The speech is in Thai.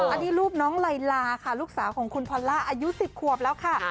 อันนี้รูปน้องไลลาค่ะลูกสาวของคุณพอลล่าอายุ๑๐ขวบแล้วค่ะ